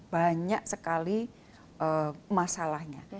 banyak sekali masalahnya